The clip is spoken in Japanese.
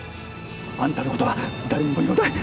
あんたの事は誰にも言わない。